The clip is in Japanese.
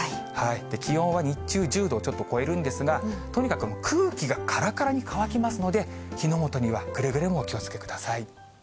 気温は日中１０度をちょっと超えるんですが、とにかく空気がからからに乾きますので、火の元にはくれぐれもお気をつけください。